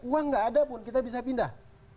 uang nggak ada pun kita bisa pindah